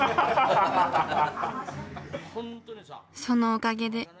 そのおかげで。